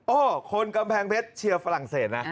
โอ้โหคนกำแพงเพชรเชียร์ฝรั่งเศสนะ